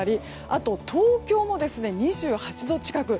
あと東京も２８度近く。